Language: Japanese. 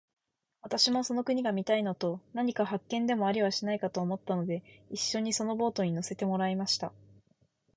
私もその国が見たいのと、何か発見でもありはしないかと思ったので、一しょにそのボートに乗せてもらいました。